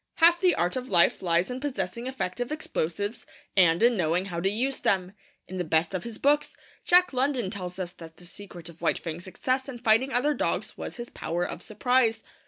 Half the art of life lies in possessing effective explosives and in knowing how to use them. In the best of his books, Jack London tells us that the secret of White Fang's success in fighting other dogs was his power of surprise.